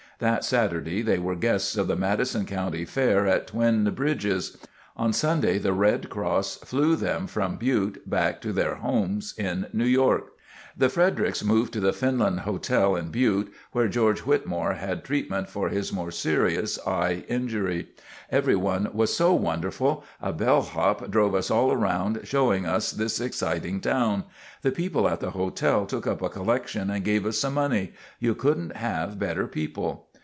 That Saturday they were guests of the Madison County Fair at Twin Bridges. On Sunday the Red Cross flew them from Butte back to their homes in New York. The Fredericks moved to the Finlen Hotel in Butte while George Whitmore had treatment for his more serious eye injury. "Everyone was so wonderful. A bellhop drove us all around, showing us this exciting town. The people at the hotel took up a collection and gave us some money. You couldn't have better people."